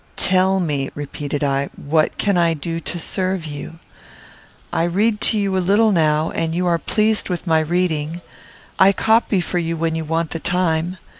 "Tell me," repeated I, "what can I do to serve you? I read to you a little now, and you are pleased with my reading. I copy for you when you want the time.